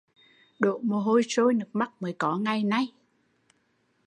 Đổ mồ hôi sôi nước mắt mới có ngày nay